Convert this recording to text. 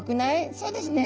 「そうですね」。